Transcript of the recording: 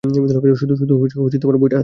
শুধু বইটা হাতে নিন।